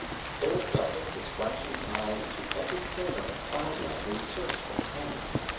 Thor darted his flashing eye into every corner of Cloud Land in search of the hammer.